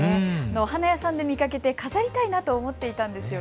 お花屋さんで見かけて飾りたいなとは思っていたんですよね。